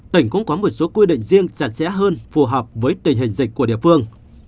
tỉnh cũng có một số quy định riêng chặt chẽ hơn phù hợp với tình hình dịch của địa phương